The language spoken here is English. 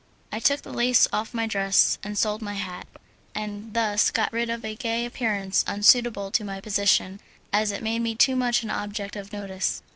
I took the lace off my dress, and sold my hat, and thus got rid of a gay appearance unsuitable to my position, as it made me too much an object of notice.